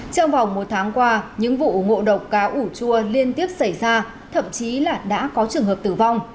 trong vòng một tháng qua những vụ ngộ độc cá ủ chua liên tiếp xảy ra thậm chí là đã có trường hợp tử vong